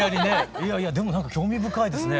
いやいやでも何か興味深いですね。